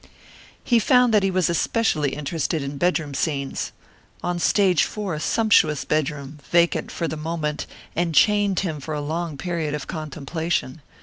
He found that he was especially interested in bedroom scenes. On Stage Four a sumptuous bedroom, vacant for the moment, enchained him for a long period of contemplation.